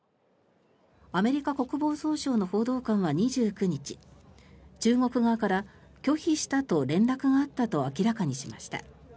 アメリカ国防総省の報道官は２９日中国側から拒否したと連絡があったと明らかにしました。